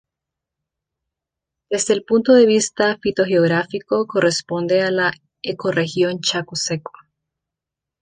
Desde el punto de vista fitogeográfico, corresponde a la ecorregión chaco seco.